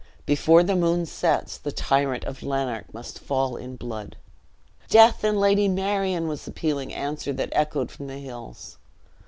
Before the moon sets, the tyrant of Lanark must fall in blood." "Death and Lady Marion!" was the pealing answer that echoed from the hills.